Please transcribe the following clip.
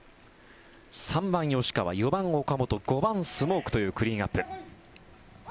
３番、吉川、４番、岡本５番、スモークというクリーンアップ。